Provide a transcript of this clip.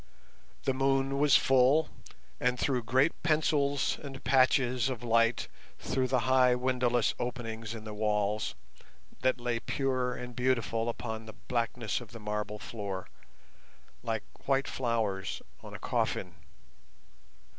The moon was full, and threw great pencils and patches of light through the high windowless openings in the walls, that lay pure and beautiful upon the blackness of the marble floor, like white flowers on a coffin.